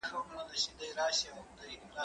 زه اوس زده کړه کوم؟!